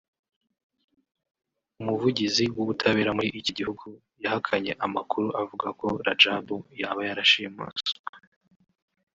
umuvugizi w’ubutabera muri iki gihugu yahakanye amakuru avuga ko Radjabu yaba yarashimuswe